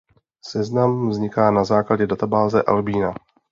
Seznam vzniká na základě databáze Albína.